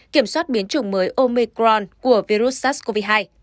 kiểm soát biến chủng mới omicron của virus sars cov hai